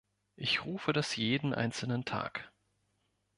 Ich rufe das jeden einzelnen Tag!